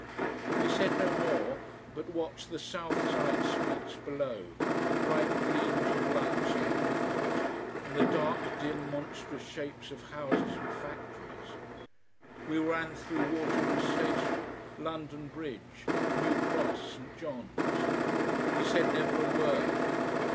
We said no more, but watched the south side streets below bright gleams of lights and movement, and the dark, dim, monstrous shapes of houses and factories. We ran through Waterloo Station, London Bridge, New Cross, St. John's. We said never a word.